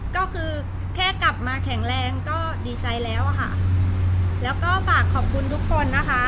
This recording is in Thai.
ก็คือแค่กลับมาแข็งแรงก็ดีใจแล้วอะค่ะแล้วก็ฝากขอบคุณทุกคนนะคะ